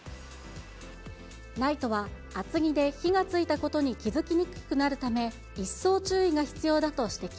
ＮＩＴＥは厚着で火がついたことに気付きにくくなるため、一層注意が必要だと指摘。